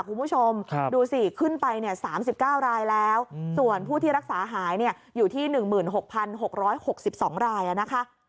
คุณผู้ชมดูสิขึ้นไป๓๙รายแล้วส่วนผู้ที่รักษาหายอยู่ที่๑๖๖๖๒รายนะคะ